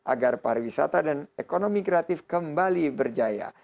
agar pariwisata dan ekonomi kreatif kembali berjaya